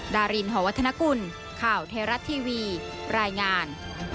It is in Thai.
ดารินหอวัฒนกุลข่าวไทยรัฐทีวีรายงาน